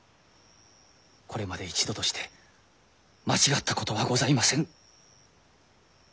これまで一度として間違ったことはございませぬ。